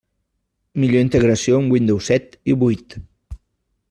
Millor integració amb Windows set i vuit.